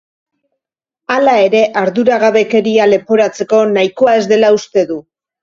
Hala ere, arduragabekeria leporatzeko nahikoa ez dela uste du.